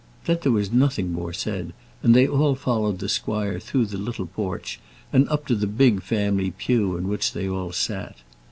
Then there was nothing more said, and they all followed the squire through the little porch and up to the big family pew in which they all sat.